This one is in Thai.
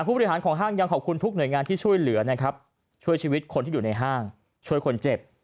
ผู้บริหารของห้างยังขอบคุณทุกหน่วยงานที่ช่วยเหลือนะครับช่วยชีวิตคนที่อยู่ในห้างช่วยคนเจ็บ